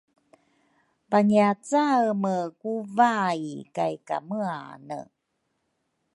pangiacaeme ku vai kaykameane